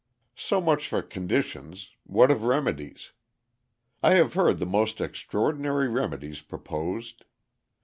_ So much for conditions; what of remedies? I have heard the most extraordinary remedies proposed.